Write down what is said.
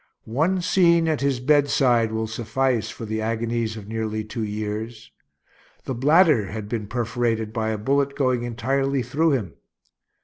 One scene at his bedside will suffice for the agonies of nearly two years. The bladder had been perforated by a bullet going entirely through him.